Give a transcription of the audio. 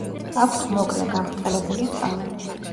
აქვთ მოკლე, გაბრტყელებული თავი.